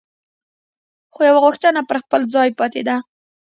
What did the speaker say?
خو یوه غوښتنه پر خپل ځای پاتې ده.